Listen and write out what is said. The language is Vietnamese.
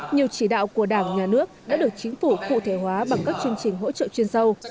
nhiều chỉ đạo của đảng nhà nước đã được chính phủ cụ thể hóa bằng các chương trình hỗ trợ chuyên sâu